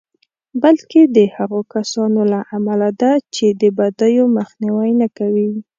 بلکې د هغو کسانو له امله ده چې د بدیو مخنیوی نه کوي.